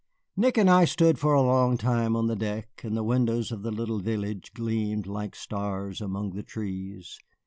Nick and I stood for a long time on the deck, and the windows of the little village gleamed like stars among the trees.